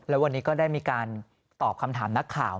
แล้ววันนี้ก็ได้มีการตอบคำถามนักข่าว